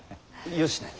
よしなに。